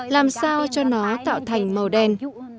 làm sao cho nó tạo thành màu đen